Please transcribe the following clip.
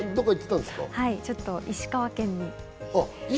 ちょっと石川県に。